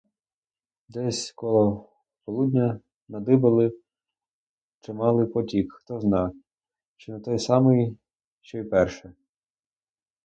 Десь коло полудня надибали чималий потік, хтозна, чи не той самий, що й перше.